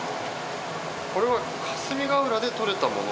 これは霞ヶ浦で獲れたもの。